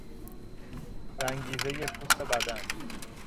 رنگیزهی پوست بدن